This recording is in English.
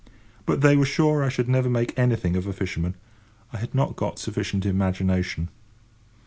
But they were sure I should never make anything of a fisherman. I had not got sufficient imagination.